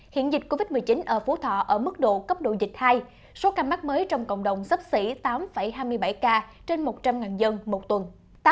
hiện dịch covid một mươi chín ở phú thọ ở mức độ cấp độ dịch hai số ca mắc mới trong cộng đồng sắp xỉ tám hai mươi bảy ca trên một trăm linh dân một tuần